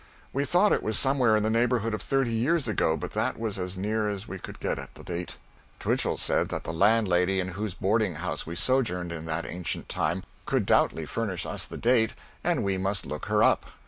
We thought it was somewhere in the neighborhood of thirty years ago, but that was as near as we could get at the date. Twichell said that the landlady in whose boarding house we sojourned in that ancient time could doubtless furnish us the date, and we must look her up.